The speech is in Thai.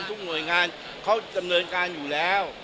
หน่วยงานเขาดำเนินการอยู่แล้ว